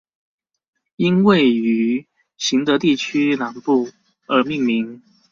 因位于行德地区南部而命名。